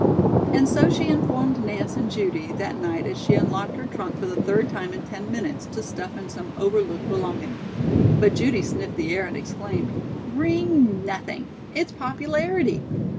And so she informed Nance and Judy that night as she unlocked her trunk for the third time in ten minutes to stuff in some overlooked belonging. But Judy sniffed the air and exclaimed: "Ring, nothing! It's popularity!"